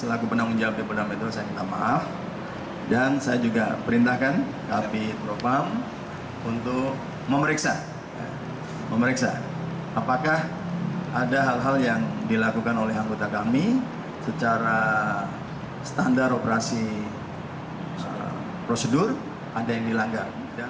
ada hal hal yang dilakukan oleh anggota kami secara standar operasi prosedur ada yang dilanggar